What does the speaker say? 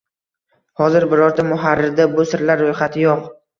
Hozir birorta muharrirda bu sirlar ro‘yxati yo‘q.